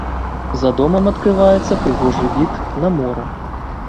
За домам адкрываецца прыгожы від на мора.